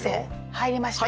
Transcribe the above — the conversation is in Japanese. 入りました？